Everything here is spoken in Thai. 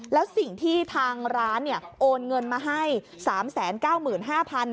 แล้วสิ่งที่ทางร้านโอนเงินมาให้๓๙๕๐๐บาท